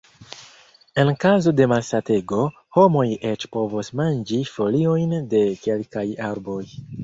En kazo de malsatego, homoj eĉ povos manĝi foliojn de kelkaj arboj.